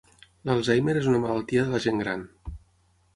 L'Alzheimer és una malaltia de la gent gran.